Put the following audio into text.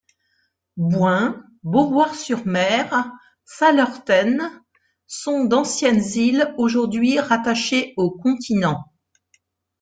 Bouin, Beauvoir-sur-Mer, Sallertaine sont d'anciennes îles aujourd’hui rattachées au continent.